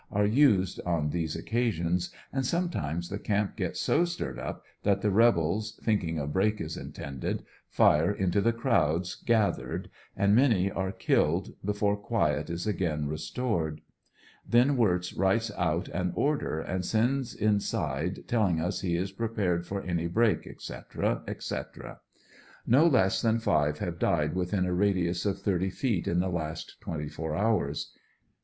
are used on these occasions, and sometimes the camp gets so stirred up that the rebels, thinking a break is intended, fire into the crowds gathered, a:id many are killed before quiet is again restored. Then Wirtz writes out an order and sends inside, telling he is prepared for any break, etc., etc. No less than five have died within a radius of thirty feet in the last twenty four hours.